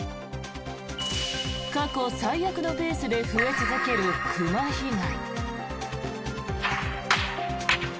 過去最悪のペースで増え続ける熊被害。